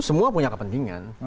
semua punya kepentingan